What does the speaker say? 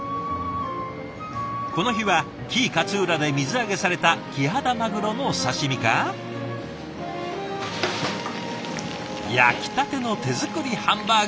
この日は紀伊勝浦で水揚げされたキハダマグロの刺身か焼きたての手作りハンバーグ！